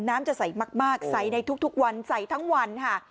น้ำจะใสมากใส่ในทุกวันใส่ทั้งวันค่ะ